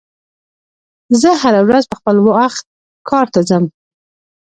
زه هره ورځ په خپل وخت کار ته ځم.